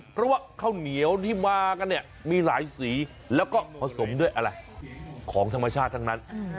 เพราะว่าข้าวเหนียวที่มากันเนี่ยมีหลายสีแล้วก็ผสมด้วยอะไรของธรรมชาติทั้งนั้น